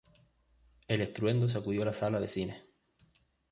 El estruendo sacudió la sala de cine.